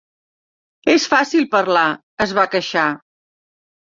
"És fàcil parlar", es va queixar.